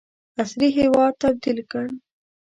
عصري هیواد تبدیل کړ.